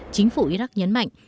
chính phủ iraq nhấn mạnh